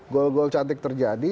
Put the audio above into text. gol gol cantik terjadi